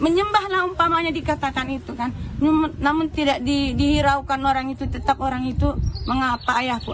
namun tidak dihiraukan orang itu tetap orang itu mengapa ayahku